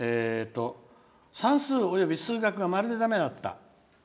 「算数および数学がまるでだめだった。